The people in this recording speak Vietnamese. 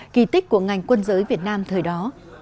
kỳ tích của ngành quân giới việt nam thời đó